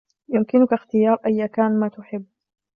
يمكنك اختيار أيا كان ما تحب.